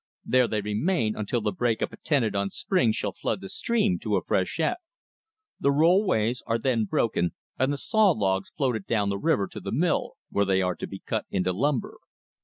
There they remain until the break up attendant on spring shall flood the stream to a freshet. The rollways are then broken, and the saw logs floated down the river to the mill where they are to be cut into lumber.